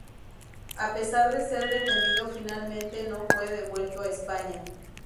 A pesar de ser detenido, finalmente no fue devuelto a España.